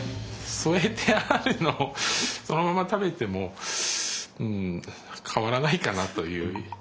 添えてあるのをそのまま食べても変わらないかなという。